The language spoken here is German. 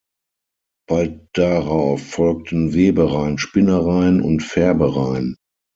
Bald darauf folgten Webereien, Spinnereien und Färbereien.